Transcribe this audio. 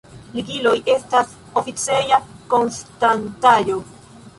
Ligiloj estas oficeja konstantaĵo.